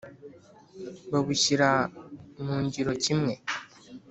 Babushyira mu ngiro kimwe?